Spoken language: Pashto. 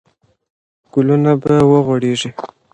ګلونه به وغوړېږي.